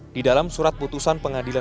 di dalam surat putusan pengadilan